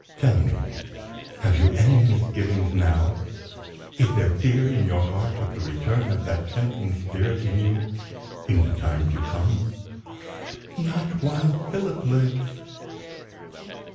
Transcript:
Tell me have you any misgivings now? Is there fear in your heart of the return of that tempting spirit in you, in the time to come?" "Not while Philip lives!"